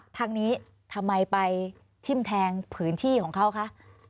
ทางนี้ทำไมไปทิ้มแทงพื้นที่ของเขาคะ